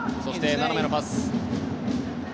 斜めのパス。